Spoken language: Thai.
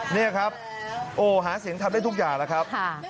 นี่ครับโอ้หาเสียงทำได้ทุกอย่างแล้วครับ